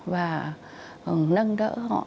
và nâng đỡ họ